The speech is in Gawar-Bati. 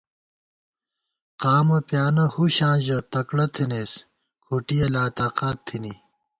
قامہ پیانہ ہُشاں ژَہ تکڑہ تھنَئیس کھُٹِیَہ لا تاقات تھنی